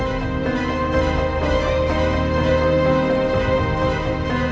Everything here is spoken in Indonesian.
adalah hasil hubungan elsa